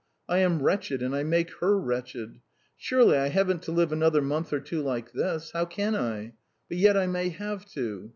I am wretched, and I make her wretched. Surely I haven't to live another month or two like this? How can I? But yet I may have to."